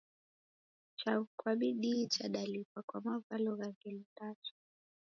Chaghu kwa bidii chadalipa kwa mavalo gha ngelo ndacha.